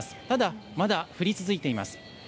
ただ、まだ降り続いています。